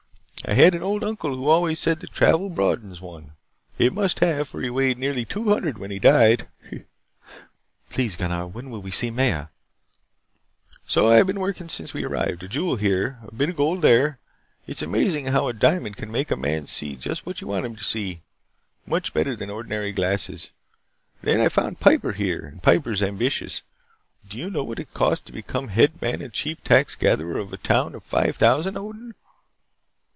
I had an old uncle who always said that travel broadens one. It must have, for he weighed nearly two hundred when he died." "Please, Gunnar. When will we see Maya " "So, I have been working ever since we arrived. A jewel here. A bit of gold there. It is amazing how a diamond can make a man see just what you tell him to see. Much better than ordinary glasses. Then I found Piper here. And Piper is ambitious. Do you know what it costs to become head man and chief tax gatherer of a town of five thousand, Odin?"